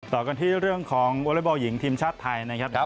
ต่อกันที่เรื่องของวอเล็กบอลหญิงทีมชาติไทยนะครับ